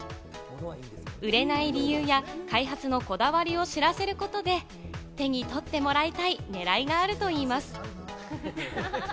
売れない理由や開発のこだわりを知らせることで、手に取ってもらいたい狙いがあるといいます。